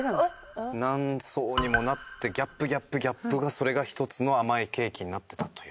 何層にもなってギャップギャップギャップがそれが一つの甘いケーキになってたという。